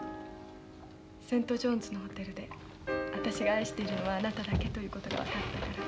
セントジョーンズのホテルで私が愛しているのはあなただけということが分かったから。